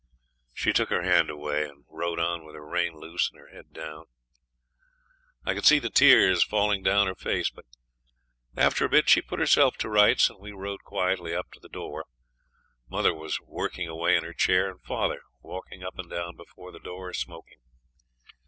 She took her hand away, and rode on with her rein loose and her head down. I could see the tears falling down her face, but after a bit she put herself to rights, and we rode quietly up to the door. Mother was working away in her chair, and father walking up and down before the door smoking.